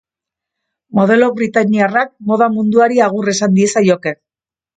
Modelo britainiarrak moda munduari agur esan diezaioke.